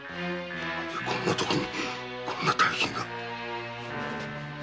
こんなとこにこんな大金が。